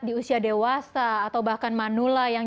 di usia dewasa atau bahkan manula yang